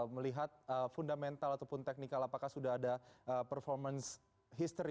melihat fundamental ataupun teknikal apakah sudah ada performance history